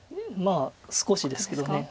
まあ少しですけど。